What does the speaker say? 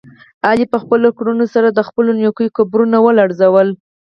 علي په خپلو کړنو سره د خپلو نیکونو قبرونه ولړزول.